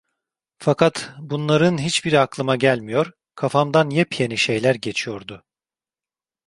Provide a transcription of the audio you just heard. Fakat bunların hiçbiri aklıma gelmiyor, kafamdan yepyeni şeyler geçiyordu.